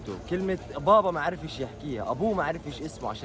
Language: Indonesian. ayah tidak tahu mengatakannya ayah tidak tahu namanya untuk mengucapkan